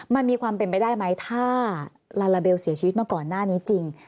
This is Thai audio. มันมีความเป็นไปได้ไหมถ้าลาลาเบลเสียชีวิตมาก่อนหน้านี้จริง